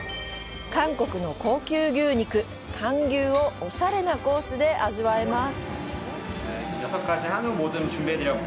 韓国の高級牛肉、韓牛をオシャレなコースで味わえます。